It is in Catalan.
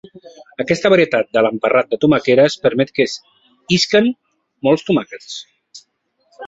Aquesta varietat de l'emparrat de tomaqueres permet que isquen molts tomàquets.